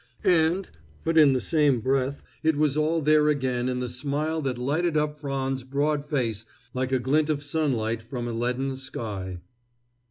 and but in the same breath it was all there again in the smile that lighted up Frands's broad face like a glint of sunlight from a leaden sky.